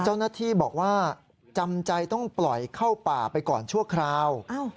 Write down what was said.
เจ้าหน้าที่บอกว่าจำใจต้องปล่อยเข้าป่าไปก่อนชั่วคราว